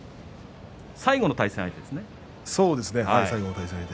最後の対戦相手ですね。